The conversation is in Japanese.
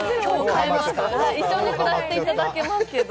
一緒に暮らしていただけますけど。